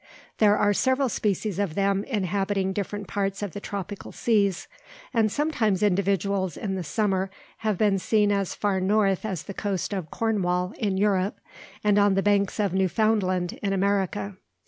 There are several species of them inhabiting different parts of the tropical seas; and sometimes individuals, in the summer, have been seen as far north as the coast of Cornwall in Europe, and on the banks of Newfoundland in America.